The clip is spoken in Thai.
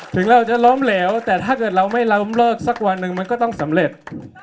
ถึงเราจะล้มเหลวแต่ถ้าเกิดเราไม่ล้มเลิกสักวันหนึ่งมันก็ต้องสำเร็จ